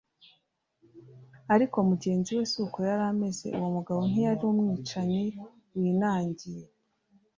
Ariko mugenzi we si uko yari ameze. Uwo mugabo ntiyari um«ricanyi winangiye,